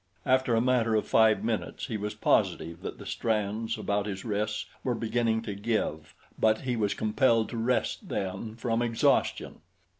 After a matter of five minutes he was positive that the strands about his wrists were beginning to give; but he was compelled to rest then from exhaustion.